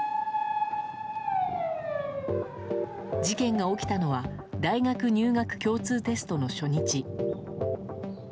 事件が起きたのは大学入学共通テストの初日。